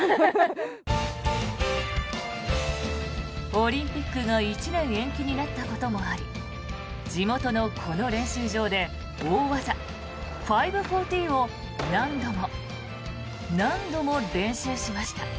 オリンピックが１年延期になったこともあり地元のこの練習場で大技５４０を何度も何度も練習しました。